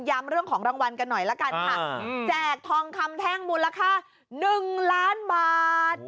เรื่องของรางวัลกันหน่อยละกันค่ะแจกทองคำแท่งมูลค่า๑ล้านบาท